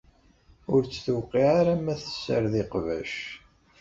Ur tt-tewqiɛ ara ma tessared iqbac.